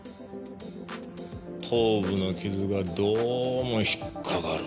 頭部の傷がどうも引っかかる。